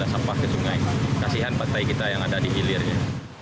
sampah ke sungai kasihan pantai kita yang ada di hilirnya